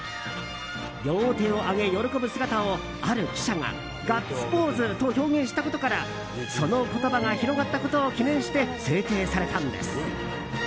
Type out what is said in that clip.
両手を上げ喜ぶ姿を、ある記者がガッツポーズと表現したことからその言葉が広がったことを記念して制定されたんです。